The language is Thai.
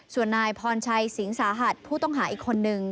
ส่วนนายพรชัยสิงสาหัสผู้ต้องหาอีกคนนึง